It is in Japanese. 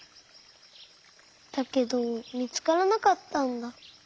だけどみつからなかったんだ。